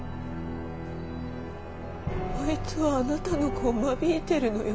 あいつはあなたの子を間引いているのよ。